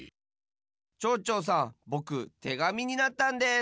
ちょうちょうさんぼくてがみになったんです。